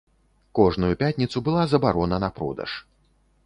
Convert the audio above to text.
Кожную пятніцу была забарона на продаж.